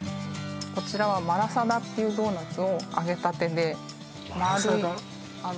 こちらはマラサダっていうドーナツを揚げたてでマラサダ？